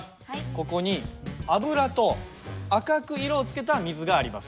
ここに油と赤く色をつけた水があります。